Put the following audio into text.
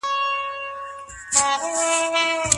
کندهار بې باغونو نه دی.